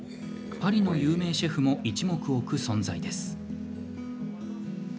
パリの有名シェフも一目置く存在です。